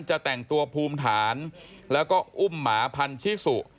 จะแต่งตัวภูมิฐานแล้วก็อุ้มหมาพันธิสุ